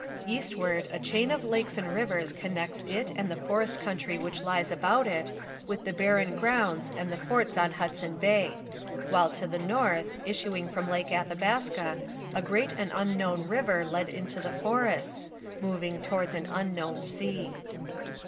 Eastward a chain of lakes and rivers connects it and the forest country which lies about it with the barren grounds and the forts on Hudson Bay, while to the north, issuing from Lake Athabaska, a great and unknown river led into the forests, moving towards an unknown sea.